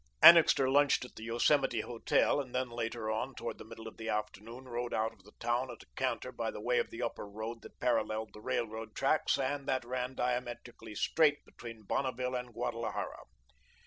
Annixter lunched at the Yosemite Hotel, and then later on, toward the middle of the afternoon, rode out of the town at a canter by the way of the Upper Road that paralleled the railroad tracks and that ran diametrically straight between Bonneville and Guadalajara.